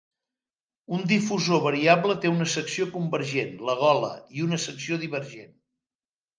Un difusor variable té una secció convergent, la gola i una secció divergent.